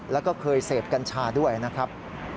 แล้วก็เคยเสพกัญชาด้วยนะครับ